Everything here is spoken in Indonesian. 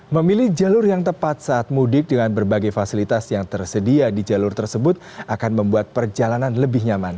memilih jalur yang tepat saat mudik dengan berbagai fasilitas yang tersedia di jalur tersebut akan membuat perjalanan lebih nyaman